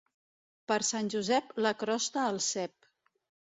Per Sant Josep la crosta al cep.